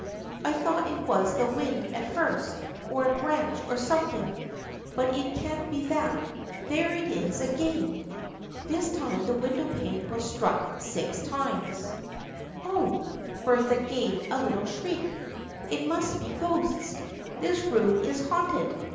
I thought it was the wind at first, or a branch or something, but it can't be that. There it is again !" This time the window pane was struck six times. 49 50 THE FRIENDSHIP OF ANNE " Oh !" Bertha gave a little shriek. " It must be ghosts ! This room is haunted